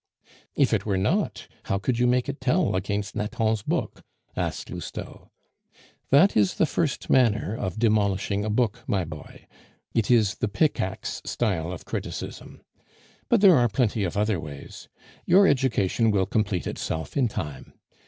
"If it were not, how could you make it tell against Nathan's book?" asked Lousteau. "That is the first manner of demolishing a book, my boy; it is the pickaxe style of criticism. But there are plenty of other ways. Your education will complete itself in time.